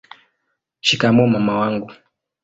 shikamoo mama wangu